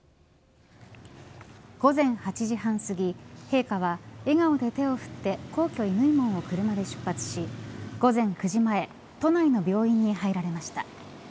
午前８時半過ぎ陛下は笑顔で手を振って皇居乾門を車で出発し午前９時前、都内の病院に入られました。